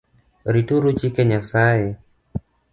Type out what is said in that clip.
Rituru chike Nyasaye